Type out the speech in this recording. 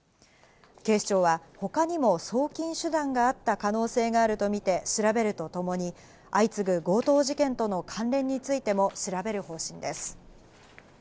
警視庁は他にも送金手段があった可能性があるとみて調べるとともに、相次ぐ強盗事件との関連についても調べる方針です。